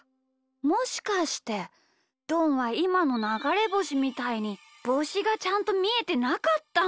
もしかしてどんはいまのながれぼしみたいにぼうしがちゃんとみえてなかったんだ。